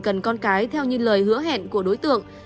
cần con cái theo như lời hứa hẹn của đối tượng